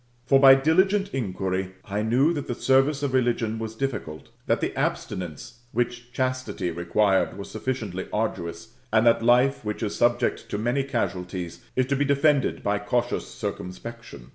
For by diligent inquiry I knew that the service of religion was difficult, that the abstinence which chastity required was sufficiently arduous, and that life, which is subject to many casualties, is to be defended by cautious circumspection.